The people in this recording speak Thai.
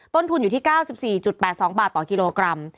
ต้นทุนอยู่ที่๙๔๘๒บาทต่อกิโลกรัม